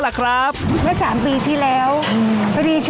ร้านกะเพราะปลาคาเท่อยากให้ทุกคนมาลองชิม